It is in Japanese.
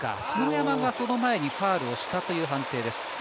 篠山がその前にファウルをしたという判定です。